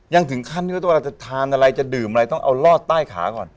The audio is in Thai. ยังถึงขั้นที่ว่าเราจะทานอะไรจะดื่มอะไรต้องเอาลอดใต้ขาก่อน